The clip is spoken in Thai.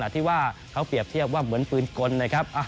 ที่ว่าเขาเปรียบเทียบว่าเหมือนปืนกลนะครับ